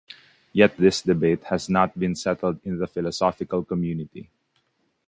Yet, this debate has not been settled in the philosophical community.